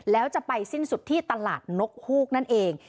แล้วจะไปสิ้นสุดที่ตลาดนกฮูกนั่นเอง